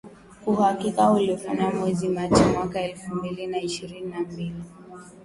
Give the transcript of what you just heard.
Uhakiki ulifanyika mwezi Machi mwaka elfu mbili na ishirini na mbili